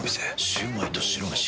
シュウマイと白めし。